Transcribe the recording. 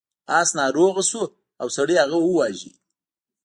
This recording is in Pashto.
اس ناروغ شو او سړي هغه وواژه.